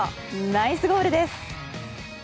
ナイスゴールです。